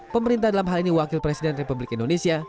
pemerintah dalam hal ini wakil presiden republik indonesia